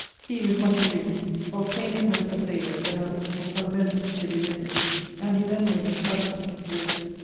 He, with much adoe, obtained at length the favour to have his little son Bennet to be with him; and he then made this distich, viz.